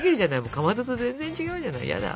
かまどと全然違うじゃないヤダ。